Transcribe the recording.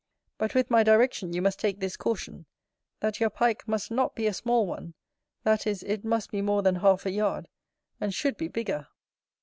But with my direction you must take this caution, that your Pike must not be a small one, that is, it must be more than half a yard, and should be bigger.